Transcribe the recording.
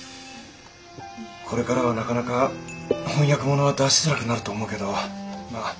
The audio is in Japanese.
これからはなかなか翻訳物は出しづらくなると思うけどまあ